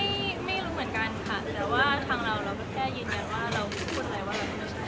ก็ไม่รู้เหมือนกันแต่ว่าเราแค่ยินคิดว่าเราพูดอะไรว่าเราไม่ด้วยใช่